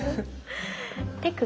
手首。